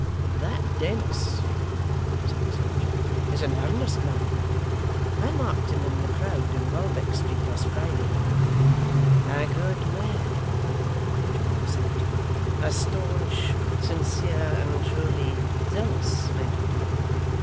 'That Dennis,' said his lordship, 'is an earnest man. I marked him in the crowd in Welbeck Street, last Friday.' 'A good man,' rejoined the secretary, 'a staunch, sincere, and truly zealous man.